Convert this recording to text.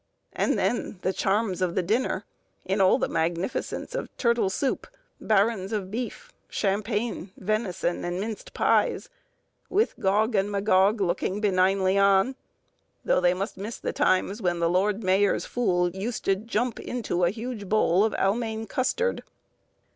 —and then the charms of the dinner, in all the magnificence of turtle soup, barons of beef, champagne, venison, and minced pies, with Gog and Magog looking benignly on; though they must miss the times, when the Lord Mayor's Fool used to jump into a huge bowl of Almayn custard.